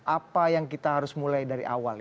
apa yang kita harus mulai dari awal